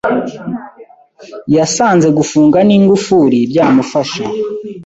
Yasanze gufunga ningufuri byamufasha